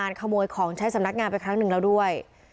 ขโมยของใช้สำนักงานไปครั้งหนึ่งแล้วด้วย